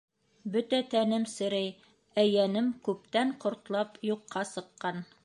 Бөтә тәнем серей, ә йәнем күптән ҡортлап, юҡҡа сыҡҡан.